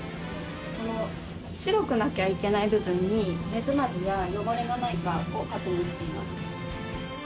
この白くなきゃいけない部分に目詰まりや汚れがないかを確認しています